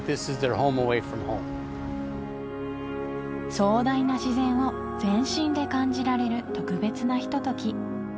壮大な自然を全身で感じられる特別なひととき